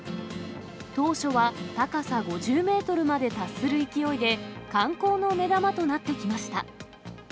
当初は高さ５０メートルまで達する勢いで、観光の目玉となってきました。